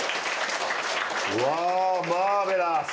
ワアマーベラス。